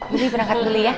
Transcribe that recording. berangkat dulu ya